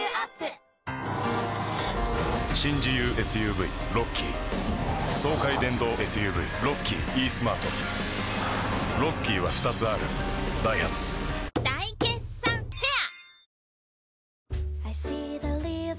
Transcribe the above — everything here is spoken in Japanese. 新自由ＳＵＶロッキー爽快電動ＳＵＶロッキーイースマートロッキーは２つあるダイハツ大決算フェア